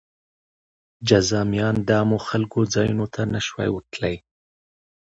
جذامیان د عامو خلکو ځایونو ته نه شوای ورتلی.